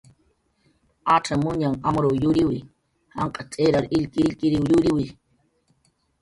Acxamuñanh amruw yuriwi, janq' tz'irar illkirillkiriw yuriwi